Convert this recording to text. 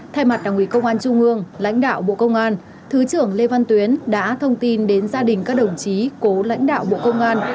thay mặt đảng ủy công an trung ương lãnh đạo bộ công an thứ trưởng lê văn tuyến đã thông tin đến gia đình các đồng chí cố lãnh đạo bộ công an